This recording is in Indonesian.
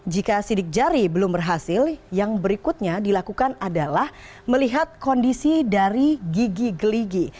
jika sidik jari belum berhasil yang berikutnya dilakukan adalah melihat kondisi dari gigi geligi